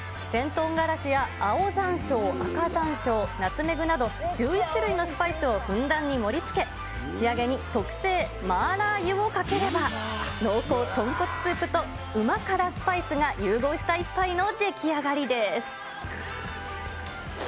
とうがらしや青ざんしょう、赤ざんしょう、ナツメグなど、１１種類のスパイスをふんだんに盛りつけ、仕上げに特製麻辣油をかければ、濃厚豚骨スープと、旨辛スパイスが融合した一杯の出来上がりです。